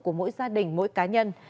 của mỗi gia đình mỗi cá nhân